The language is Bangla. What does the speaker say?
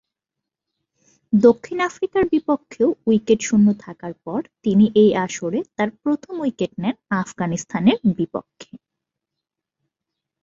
দক্ষিণ আফ্রিকার বিপক্ষেও উইকেট শূন্য থাকার পর তিনি এই আসরে তার প্রথম উইকেট নেন আফগানিস্তানের বিপক্ষে।